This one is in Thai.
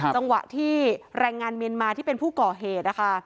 จังหวะที่แรงงานเมียนมาที่เป็นผู้ก่อเหตุนะคะ